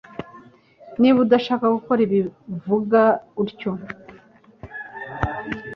Niba udashaka gukora ibi vuga utyo